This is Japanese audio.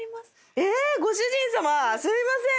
えご主人様すみません。